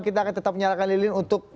kita akan tetap menyalakan lilin untuk